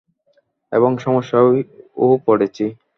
এবং সমস্যায়ও পড়েছি।